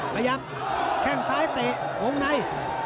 ขยับแค่งซ้ายเตะอมไน